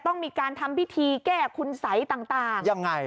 ต้องมีการทำพิธีแก้คุณสัยต่างยังไง